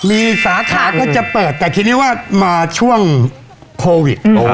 มีสาขาก็จะเปิดแต่ทีนี้ว่ามาช่วงโควิด